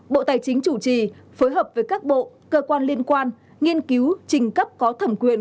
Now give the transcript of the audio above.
bộ tài chính chủ trì phối hợp với các bộ cơ quan liên quan nghiên cứu trình cấp có thẩm quyền